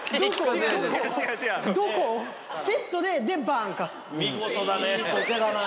セット！でバンか。